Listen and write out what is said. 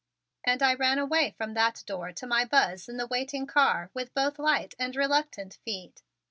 And I ran away from that door to my Buzz in the waiting car with both light and reluctant feet.